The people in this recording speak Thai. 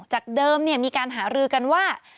จากเดิมมีการหารือกันว่า